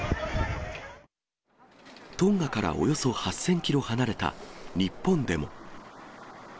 トンガからおよそ８０００キロ離れた日本でも。